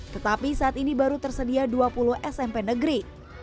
tetapi saat ini baru tersedia dua puluh smp negeri